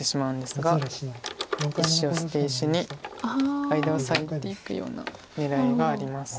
１子を捨て石に間を裂いていくような狙いがあります。